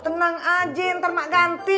tenang aja ntar mak ganti